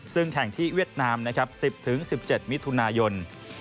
ซึ่งแข่งที่เวียดนามนะครับ๑๐๑๗มิถุนายน